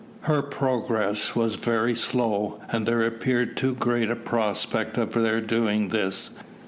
Her progress was very slow, and there appeared too great a prospect of their doing this.